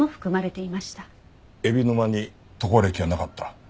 海老沼に渡航歴はなかった。